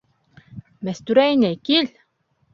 Мәстүрә инәй, кил!